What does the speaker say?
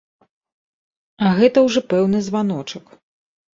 А гэта ўжо пэўны званочак.